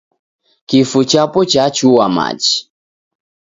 Kifu chapo yacha machi.